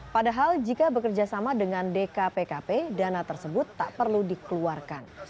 padahal jika bekerja sama dengan dkpkp dana tersebut tak perlu dikeluarkan